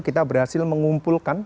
kita berhasil mengumpulkan